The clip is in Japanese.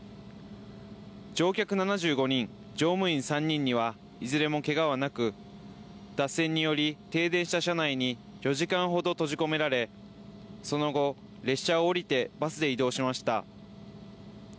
乗客７５人、乗務員３人には、いずれもけがはなく、脱線により、停電した車内に４時間ほど閉じ込められ、その後、列車を降りてバスで移動しました。